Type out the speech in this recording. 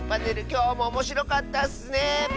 きょうもおもしろかったッスね！